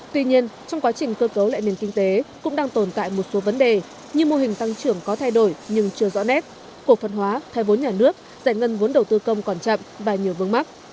tuy nhiên trong quá trình cơ cấu lại nền kinh tế cũng đang tồn tại một số vấn đề như mô hình tăng trưởng có thay đổi nhưng chưa rõ nét cổ phân hóa thay vốn nhà nước giải ngân vốn đầu tư công còn chậm và nhiều vướng mắt